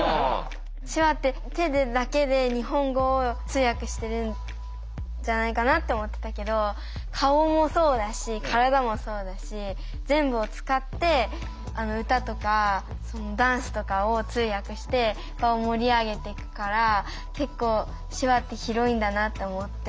手話って手でだけで日本語を通訳してるんじゃないかなって思ってたけど顔もそうだし体もそうだし全部を使って歌とかダンスとかを通訳して場を盛り上げていくから結構手話って広いんだなって思って。